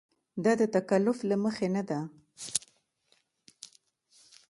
دا د تکلف له مخې نه ده.